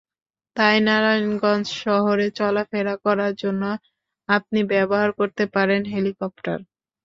তাই নারায়ণগঞ্জ শহরে চলাফেরা করার জন্য আপনি ব্যবহার করতে পারেন হেলিকপ্টার।